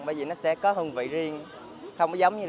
bởi vì nó sẽ có hương vị riêng